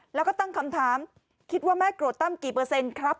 แล้วก็ตั้งคำถามคิดว่าแม่โกรธตั้มกี่เปอร์เซ็นต์ครับ